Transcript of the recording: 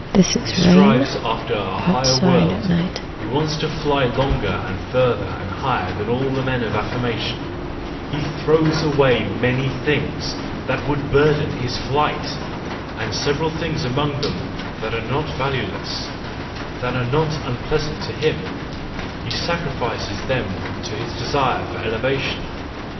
He strives after a higher world, he wants to fly longer and further and higher than all men of affirmation—he throws away many things that would burden his flight, and several things among them that are not valueless, that are not unpleasant to him : he sacrifices them to his desire for elevation.